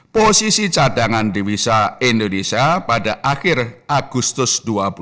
posisi cadangan dewisa indonesia pada akhir agustus dua ribu dua puluh